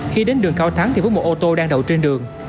khi đến đường cao thắng thì có một ô tô đang đậu trên đường